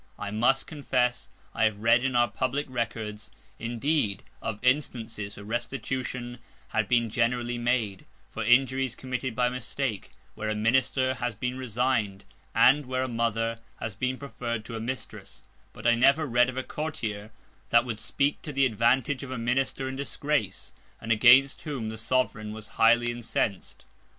I must confess, I have read in our publick Records, indeed, of Instances where Restitution have been generally made, for Injuries committed by Mistake; where a Mistress has been resign'd; and where a Mother has been preferr'd to a Mistress; but I never read of a Courtier, that would speak to the Advantage of a Minister in Disgrace, and against whom the Sovereign was highly incens'd.